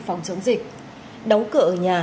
phòng chống dịch đóng cửa ở nhà